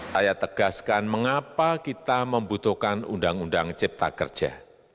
saya tegaskan mengapa kita membutuhkan undang undang cipta kerja